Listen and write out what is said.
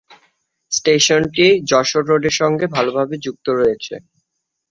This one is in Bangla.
স্টেশনটি যশোর রোডের সঙ্গে ভালোভাবে যুক্ত রয়েছে।